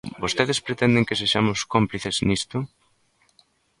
¿Vostedes pretenden que sexamos cómplices nisto?